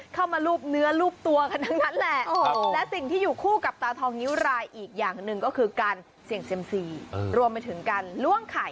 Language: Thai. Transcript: เข้ามารูปเนื้อรูปตัวคันทั้งนั้นแหละ